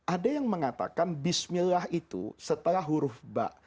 ada yang mengatakan bismillah itu setelah huruf ba